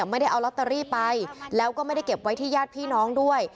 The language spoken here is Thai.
ไม่ได้เอาลอตเตอรี่ไปแล้วก็ไม่ได้เก็บไว้ที่ญาติพี่น้องด้วย